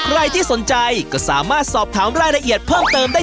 ใครที่สนใจก็สามารถสอบถามรายละเอียดเพิ่มเติมได้